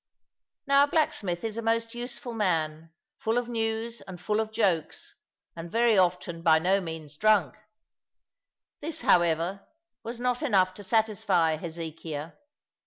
Now a blacksmith is a most useful man, full of news and full of jokes, and very often by no means drunk; this, however, was not enough to satisfy Hezekiah.